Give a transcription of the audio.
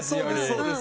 そうです。